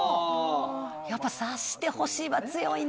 やっぱ「察してほしい」は強いな！